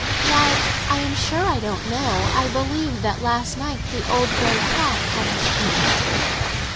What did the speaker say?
"Why, I am sure I don't know! I believe that last night the old grey cat had kittens!"